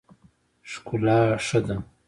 څکلا ښه ده.